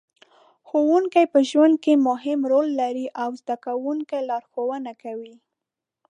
ښوونکې په ژوند کې مهم رول لري او د زده کوونکو لارښوونه کوي.